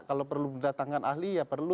kalau perlu didatangkan ahli ya perlu